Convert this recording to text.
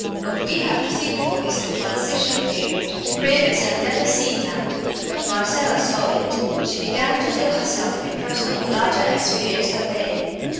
What we have to think for is the transition period. The Cravens had never seen that, but Marcella saw it. She began to feel herself a person of larger experience than they.